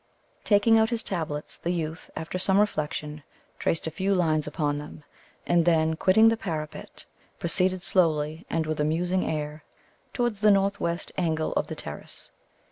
Taking out his tablets, the youth, after some reflection, traced a few lines upon them, and then, quitting the parapet, proceeded slowly, and with a musing air, towards the north west angle of the terrace.